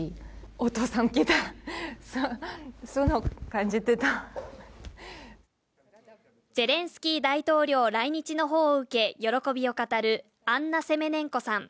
お父さん来た、ゼレンスキー大統領来日の報を受け、喜びを語るアンナ・セメネンコさん。